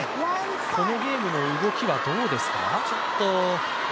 このゲームの動きはどうですか？